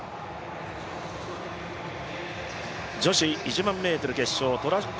女子１００００ｍ決勝、トラック